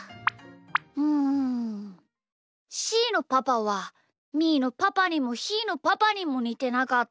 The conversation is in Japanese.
うんしーのパパはみーのパパにもひーのパパにもにてなかったな。